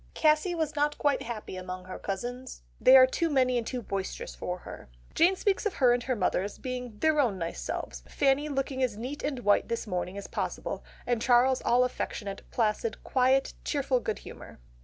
Cassy was not quite happy among her cousins, "they are too many and too boisterous for her." Jane speaks of her and her mother as being "their own nice selves, Fanny looking as neat and white this morning as possible, and Charles all affectionate, placid, quiet, cheerful good humour."